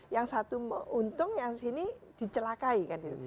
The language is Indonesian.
yang satu untung yang sini dicelakai kan gitu